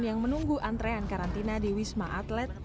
yang menunggu antrean karantina di wisma atlet